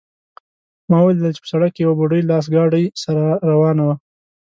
ما ولیدل چې په سړک کې یوه بوډۍ لاس ګاډۍ سره روانه وه